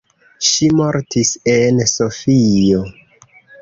Ŝi mortis en Sofio.